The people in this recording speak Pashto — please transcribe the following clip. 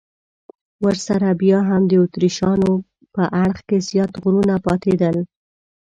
ورسره بیا هم د اتریشیانو په اړخ کې زیات غرونه پاتېدل.